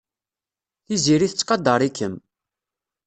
Tiziri tettqadar-ikem.